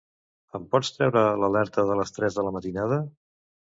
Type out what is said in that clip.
Em pots treure l'alerta de les tres de la matinada?